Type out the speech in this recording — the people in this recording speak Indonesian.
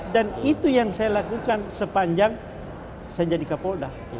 dan itu yang saya lakukan sepanjang saya jadi kapolda